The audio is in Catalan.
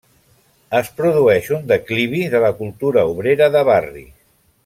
Es produeix un declivi de la cultura obrera de barri.